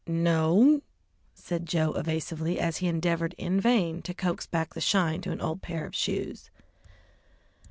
"No," said Joe evasively, as he endeavoured in vain to coax back the shine to an old pair of shoes.